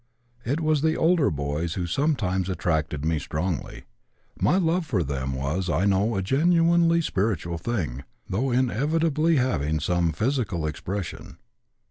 It was the older boys' who sometimes attracted me strongly. My love for them was I know a genuinely spiritual thing, though inevitably having some physical expression.